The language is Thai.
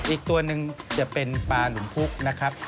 อีกตัวหนึ่งจะเป็นปลาหลุมพุกนะครับ